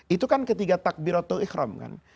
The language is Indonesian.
itu kan ketiga takbiratul ikhram kan